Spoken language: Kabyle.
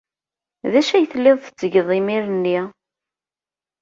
D acu ay telliḍ tettgeḍ imir-nni?